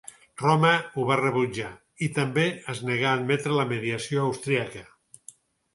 Roma ho va rebutjar, i també es negà a admetre la mediació austríaca.